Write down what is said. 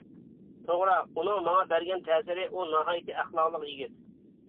توغرا، ئۇنىڭ ماڭا بەرگەن تەسىرى، ئۇ ناھايىتى ئەخلاقلىق يىگىت.